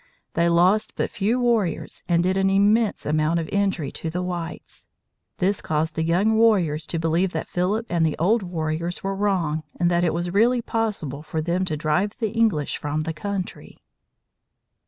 They lost but few warriors and did an immense amount of injury to the whites. This caused the young warriors to believe that Philip and the old warriors were wrong, and that it was really possible for them to drive the English from the country.